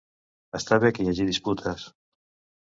Està bé que hi hagi disputes.